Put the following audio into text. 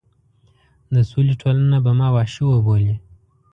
د سولې ټولنه به ما وحشي وبولي.